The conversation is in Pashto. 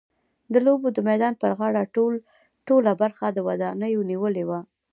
د لوبو د میدان پر غاړه ټوله برخه ودانیو نیولې وه.